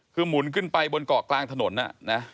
คือหมุนขึ้นไปบนเกาะกลางถนนนะ